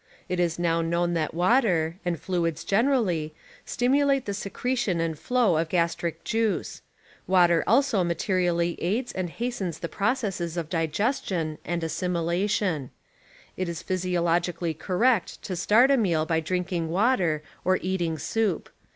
It is now known that water, and fluids generally, stimulate the secretion and flow of gastric juice; water also materially aids and hastens the process<'s of diges tion and assimilati(m. It is ))hysiologically correct to start a meal by drinking water or eating soup.